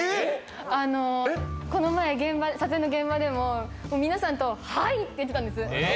この前撮影の現場でも皆さんと「はい！」って言ってたんです。